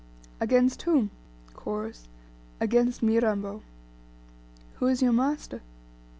Against whom? Chorus. Against Mirambo. Who is your master?